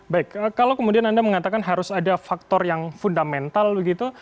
baik kalau kemudian anda mengatakan harus ada faktor yang fundamental begitu